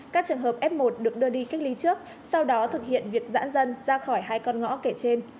các trường hợp f một được đưa đi cách ly trước sau đó thực hiện việc giãn dân ra khỏi hai con ngõ kể trên